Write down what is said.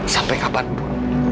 sampai kapan bu